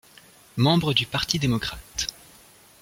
Membre du parti démocrate.